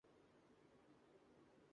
یہ چونکہ ایک مفروضہ ہی ہے۔